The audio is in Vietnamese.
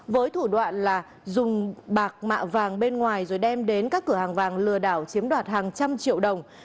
với thủ đoạn là dùng bạc mạ vàng bên ngoài rồi đem đến các cửa hàng vàng lừa đảo chiếm đoạt hàng trăm triệu đồng